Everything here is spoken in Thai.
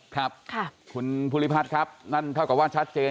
ครับคุณภูริพัฒน์ครับนั่นเท่ากับว่าชัดเจน